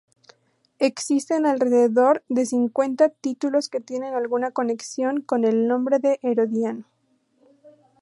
Existen alrededor de cincuenta títulos que tienen alguna conexión con el nombre de Herodiano.